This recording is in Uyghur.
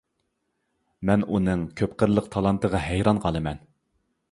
مەن ئۇنىڭ كۆپ قىرلىق تالانتىغا ھەيران قالىمەن.